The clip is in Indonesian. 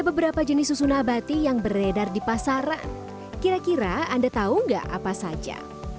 beberapa jenis susu nabati yang beredar di pasaran kira kira anda tahu enggak apa saja